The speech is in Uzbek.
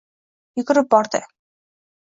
Yugurib bordi